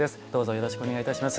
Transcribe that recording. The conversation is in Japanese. よろしくお願いします。